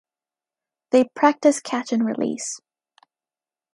They practice catch and release.